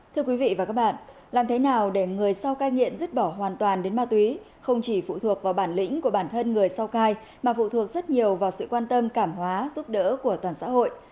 thưa quý vị và các bạn làm thế nào để người sau cai nghiện giết bỏ hoàn toàn đến ma túy không chỉ phụ thuộc vào bản lĩnh của bản thân người sau cai mà phụ thuộc rất nhiều vào sự quan tâm cảm hóa giúp đỡ của toàn xã hội